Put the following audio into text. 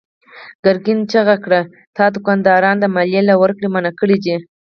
ګرګين چيغه کړه: تا دوکانداران د ماليې له ورکړې منع کړي دي.